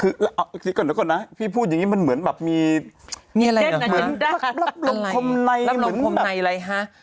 ขึกก่อนค่ะนะพี่พูดยังงี้มันเหมือนแบบมีนี่อะไรเหรอรับลงคมในอัปดาห์รับลงคมในอะไรฮะ